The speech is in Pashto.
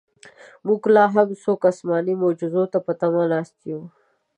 موږ لاهم څوک اسماني معجزو ته په تمه ناست یو.